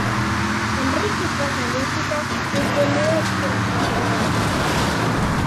El Riqui posa música i condueix sense badar boca.